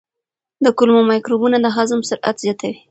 د کولمو مایکروبونه د هضم سرعت زیاتوي.